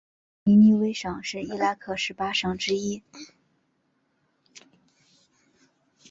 尼尼微省是伊拉克十八省之一。